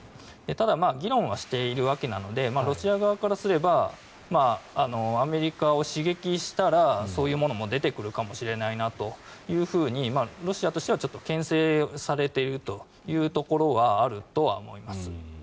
ただ、議論はしているわけなのでロシア側からすればアメリカを刺激したらそういうものも出てくるかもしれないなというふうにロシアとしてはちょっとけん制されているというところはあると思います。